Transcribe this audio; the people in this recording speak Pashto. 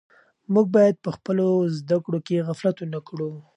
موږ باید په خپلو زده کړو کې غفلت ونه کړو.